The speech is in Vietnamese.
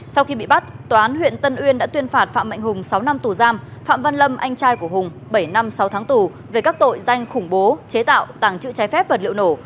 sau khi bị bắt tòa án huyện tân uyên đã tuyên phạt phạm mạnh hùng sáu năm tù giam phạm văn lâm anh trai của hùng bảy năm sáu tháng tù về các tội danh khủng bố chế tạo tàng trữ trái phép vật liệu nổ